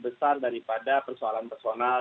besar daripada persoalan personal